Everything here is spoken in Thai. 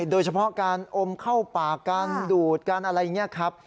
โดยเฉพาะการอมเข้าปากการดูดการอะไรอย่างนี้ครับ